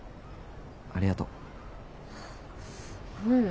ありがとう。